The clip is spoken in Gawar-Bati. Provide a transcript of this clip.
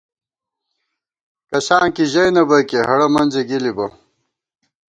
کساں کی ژَئی نہ بئیکے، ہېڑہ منزے گِلِبہ